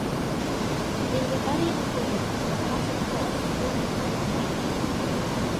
The rebellion grew into a massive force sweeping the country.